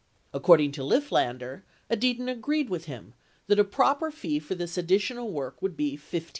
According to Lifflander, Edidin agreed with him that a proper fee for this additional work would be $1,500.